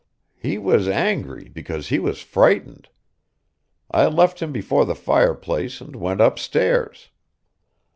He was angry because he was frightened. I left him before the fireplace, and went upstairs.